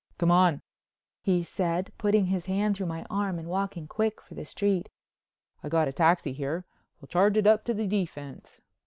"Come on," he said, putting his hand through my arm and walking quick for the street, "I got a taxi here. We'll charge it up to the defense."